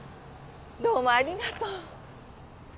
どうもありがとう。